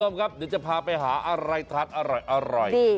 พร้อมครับเดี๋ยวจะพาไปหาอะไรทักอร่อยอร่อยดี